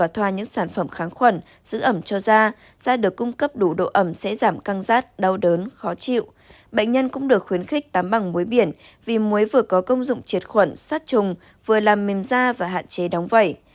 trường hợp mắc bệnh da vẩy cá không phải bệnh bằng muối biển vì muối vừa có công dụng triệt khuẩn sát trùng vừa làm mềm da và hạn chế đóng vẩy